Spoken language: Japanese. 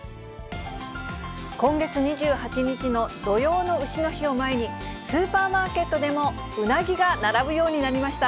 今月２８日の土用のうしの日を前に、スーパーマーケットでもうなぎが並ぶようになりました。